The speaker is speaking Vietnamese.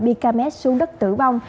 bikamet xuống đất tử vong